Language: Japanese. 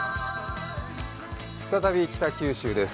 再び北九州です。